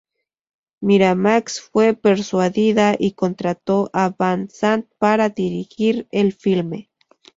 Miramax fue persuadida y contrató a Van Sant para dirigir el filme.